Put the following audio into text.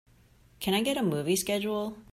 Can I get a movie schedule